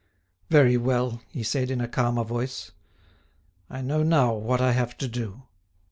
"Very well," he said, in a calmer voice, "I know now what I have to do."